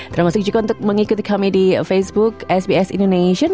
termasuk juga untuk mengikuti kami di facebook sbs indonesian